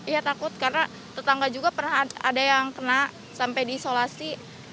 ya takut karena tetangga juga pernah ada yang kena sampai diisolasi